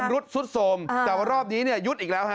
รุดซุดโทรมแต่ว่ารอบนี้เนี่ยยุดอีกแล้วฮ